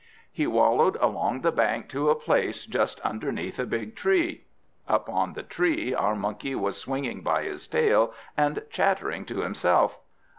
He wallowed along the bank to a place just underneath a big tree. Up on the tree our Monkey was swinging by his tail, and chattering to himself.